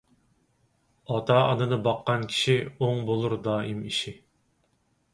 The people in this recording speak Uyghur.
ئاتا - ئانىنى باققان كىشى، ئوڭ بولۇر دائىم ئىشى.